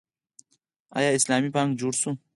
آیا اسلامي بانک جوړ شو؟